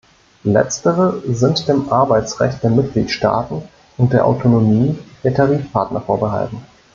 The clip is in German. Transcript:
Letztere sind dem Arbeitsrecht der Mitgliedstaaten und der Autonomie der Tarifpartner vorbehalten.